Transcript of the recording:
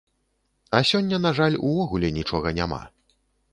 А сёння на жаль увогуле нічога няма.